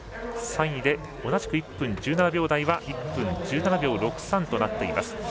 ３位で同じく１分１７秒台は１分１７秒６３となっています。